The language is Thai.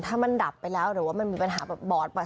ถ้ามันดับไปแล้วหรือว่ามันมีปัญหาแบบบอดป่